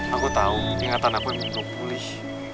aku tau ingatan aku yang mau pulih